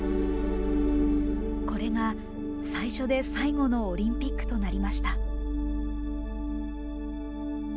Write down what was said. これが、最初で最後のオリンピックとなりました。